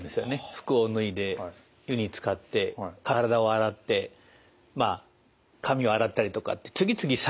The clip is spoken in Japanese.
服を脱いで湯につかって体を洗って髪を洗ったりとかって次々作業しないといけないんですね。